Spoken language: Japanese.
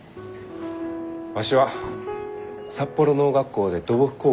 わしは札幌農学校で土木工学を学んできた。